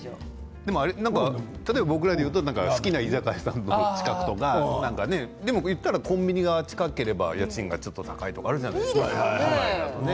僕らでいうと好きな居酒屋さんの近くとか言ったらコンビニが近ければ家賃がちょっと高いとかいいですよね。